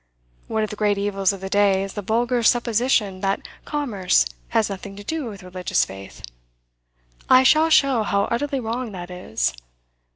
One of the great evils of the day is the vulgar supposition that commerce has nothing to do with religious faith. I shall show how utterly wrong that is.